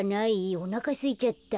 おなかすいちゃった。